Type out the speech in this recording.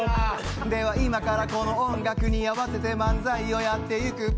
では今からこの音楽に合わせて漫才をやっていく。